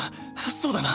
そうだな。